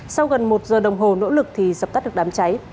sau gần một giờ đồng hồ nỗ lực thì dập tắt được đám cháy